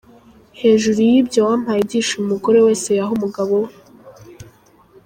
Hejuru y’ibyo wampaye ibyishimo umugore wese yaha umugabo we.